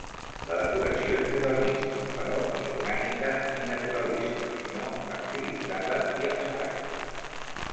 La decoració és modernista, però ni orgànica ni naturalista, sinó estilitzada i abstracta.